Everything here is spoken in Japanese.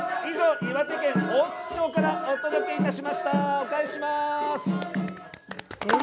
以上、岩手県大槌町からお伝えしました。